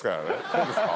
そうですか？